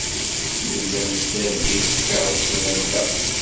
Nella nesderbiz tikeṛṛusin-nteɣ.